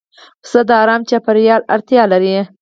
پسه د آرام چاپېریال اړتیا لري.